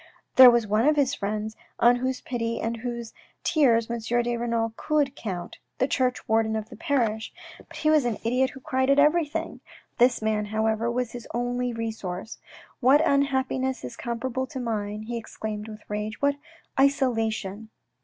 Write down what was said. There was one of his friends on whose pity and whose tears M. de Renal could count, the churchwarden of the parish ; but he was an idiot who cried at everything. This man, however, was his only resource. " What unhappiness is comparable to mine," he exclaimed with rage. " What isolation